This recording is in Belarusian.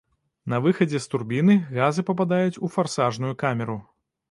На выхадзе з турбіны газы пападаюць у фарсажную камеру.